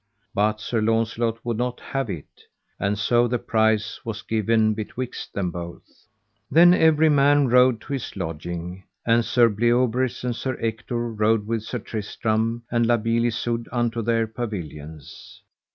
But Sir Launcelot would not have it, and so the prize was given betwixt them both. Then every man rode to his lodging, and Sir Bleoberis and Sir Ector rode with Sir Tristram and La Beale Isoud unto their pavilions.